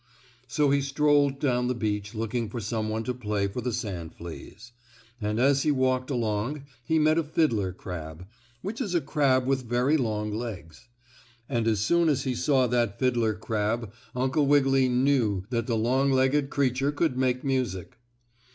So he strolled down the beach looking for some one to play for the sand fleas. And as he walked along he met a fiddler crab, which is a crab with very long legs. And as soon as he saw that fiddler crab Uncle Wiggily knew that the long legged creature could make music.